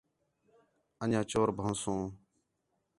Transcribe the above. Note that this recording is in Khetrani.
اَن٘ڄیاں چور بھن٘ؤسوں